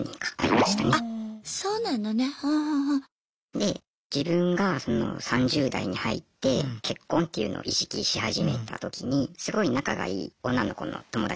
で自分がその３０代に入って結婚というのを意識し始めた時にすごい仲がいい女の子の友達がいたんですね。